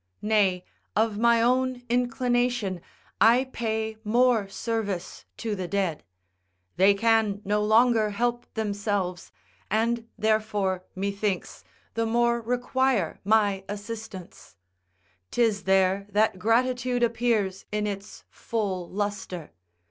Nay, of my own inclination, I pay more service to the dead; they can no longer help themselves, and therefore, methinks, the more require my assistance: 'tis there that gratitude appears in its full lustre.